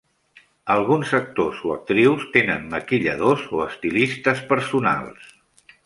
Alguns actors o actrius tenen maquilladors o estilistes personals.